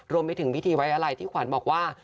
รวมไปถึงพิธีไว้อะไรที่ขวัญบอกว่า